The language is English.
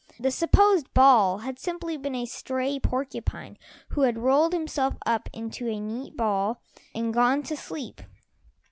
The supposed ball had simply been a stray porcupine who had rolled himself up into a neat ball and gone to sleep.